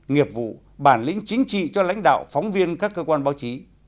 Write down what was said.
nghiệp vụ bản lĩnh chính trị cho lãnh đạo phóng viên các cơ quan báo chí